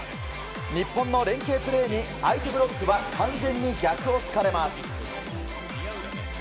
日本の連係プレーに相手ブロックは完全に逆を突かれます。